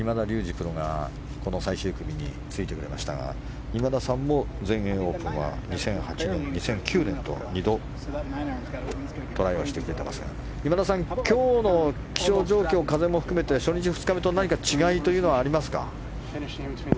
プロがこの最終組についてくれましたが今田さんも全英オープンは２００８年、２００９年と２度、トライをしてくれていますが今田さん、今日の気象状況風も含めて初日、２日目と何か違いはありますか？